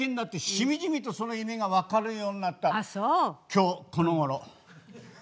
今日このごろ。